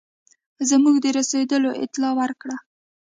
زموږ د رسېدلو اطلاع ورکړه.